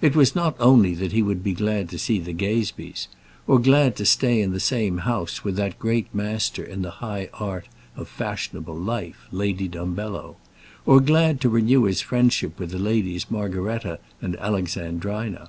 It was not only that he would be glad to see the Gazebees, or glad to stay in the same house with that great master in the high art of fashionable life, Lady Dumbello, or glad to renew his friendship with the Ladies Margaretta and Alexandrina.